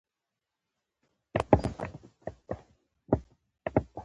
هغه یوه ډېره مهمه پرېکړه وکړه